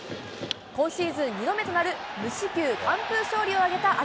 今シーズン２度目となる無四球完封勝利を挙げた東。